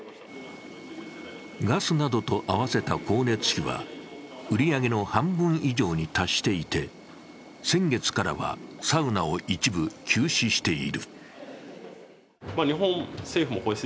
ガスなどと合わせた光熱費は売り上げの半分以上に達していて先月からはサウナを一部休止している。